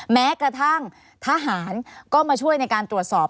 แม้กระทั่งทหารก็มาช่วยในการตรวจสอบ